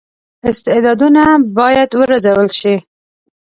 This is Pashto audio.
استعدادونه باید وروزل شي.